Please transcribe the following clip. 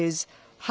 はい。